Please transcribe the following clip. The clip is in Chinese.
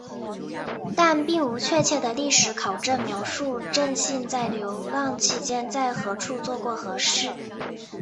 但并无确切的历史考证描述正信在流浪期间在何处做过何事。